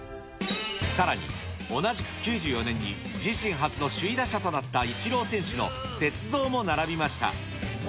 さらに、同じく９４年に自身初の首位打者となったイチロー選手の雪像も並びました。